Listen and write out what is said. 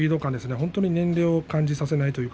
本当に年齢を感じさせません。